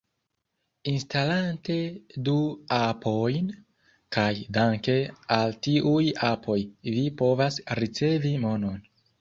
Instalante du apojn, kaj danke al tiuj apoj vi povas ricevi monon